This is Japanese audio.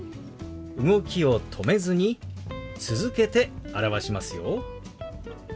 動きを止めずに続けて表しますよ。